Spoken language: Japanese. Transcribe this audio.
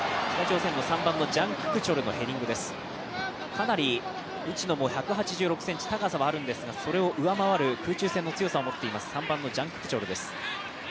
かなり内野も１８６ｃｍ、高さはあるんですが、それを上回る空中戦の強さを持っています、３番のジャン・ククチョルです。